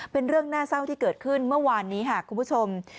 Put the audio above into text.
เป็นเรื่องน่าเศร้าที่เกิดขึ้นเมื่อวานนี้ค่ะคุณผู้ชม